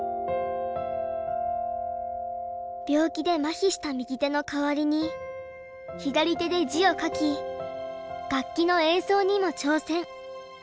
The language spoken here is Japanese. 病気でまひした右手の代わりに左手で字を書き楽器の演奏にも挑戦。